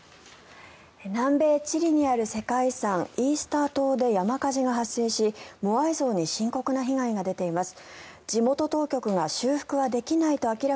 南米チリにある世界遺産イースター島で山火事が発生しモアイ像に深刻な被害が出ています。